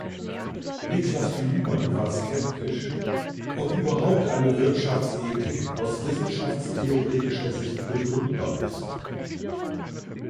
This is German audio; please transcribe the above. Niklas Luhmann war skeptisch, ob überhaupt eine Wirtschaftsethik aus wissenschaftstheoretischer Sicht begründbar ist.